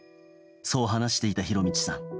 そう話していた浩順さん。